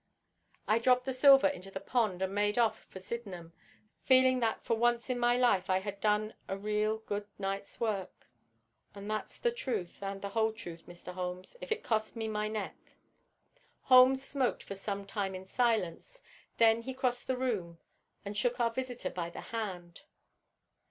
I dropped the silver into the pond and made off for Sydenham, feeling that for once in my life I had done a real good night's work. And that's the truth and the whole truth, Mr. Holmes, if it costs me my neck." Holmes smoked for some time in silence. Then he crossed the room and shook our visitor by the hand.